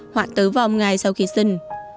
hoặc tử vong ngay sau khi sinh